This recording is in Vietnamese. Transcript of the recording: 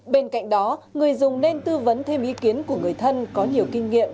bên cạnh đó người dùng nên tư vấn thêm ý kiến của người thân có nhiều kinh nghiệm